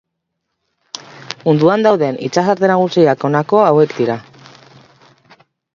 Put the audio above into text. Munduan dauden itsasarte nagusiak honako hauek dira.